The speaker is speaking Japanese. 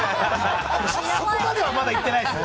そこまではまだいってないですね。